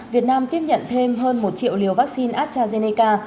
việt nam tiếp nhận thêm hơn một triệu liều vaccine astrazeneca